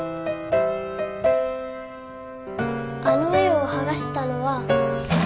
あの絵をはがしたのは。